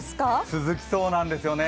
続きそうなんですよね。